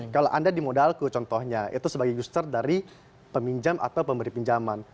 kalau anda di modalku contohnya itu sebagai user dari peminjam atau pemberi pinjaman